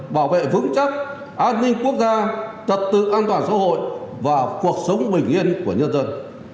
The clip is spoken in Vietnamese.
bảo vệ vững chắc an ninh quốc gia trật tự an toàn xã hội và cuộc sống bình yên của nhân dân